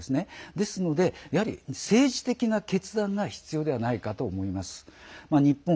ですので、政治的な決断が必要ではないかと思います。